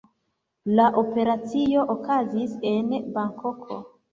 La operacio okazis en Bankoko.